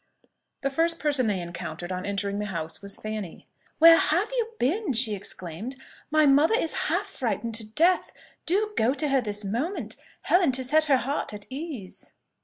The first person they encountered on entering the house was Fanny. "Where have you been!" she exclaimed. "My mother is half frightened to death. Do go to her this moment, Helen, to set her heart at ease."